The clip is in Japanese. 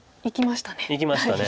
いきましたね。